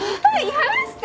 離して！